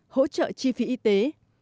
sáu hỗ trợ chi phí y tế